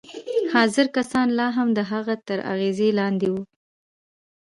حاضر کسان لا هم د هغه تر اغېز لاندې وو